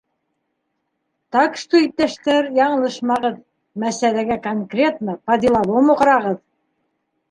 Так что, иптәштәр, яңылышмағыҙ: мәсьәләгә конкретно, по- деловому ҡарағыҙ!